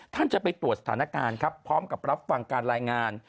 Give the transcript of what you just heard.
ท่านจะไปตรวจสถานการณ์ครับพร้อมกับรับฟังการรายงาน